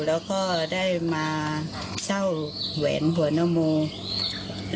แล้วก็ได้มาเช่าเหวียนหัวนมูล